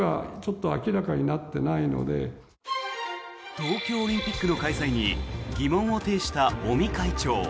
東京オリンピックの開催に疑問を呈した尾身会長。